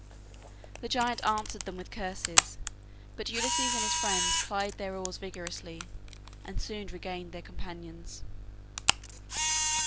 The giant answered them with curses, but Ulysses and his friends plied their oars vigorously, and soon regained their companions.